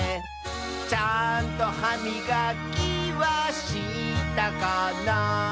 「ちゃんとはみがきはしたかな」